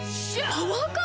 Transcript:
パワーカーブ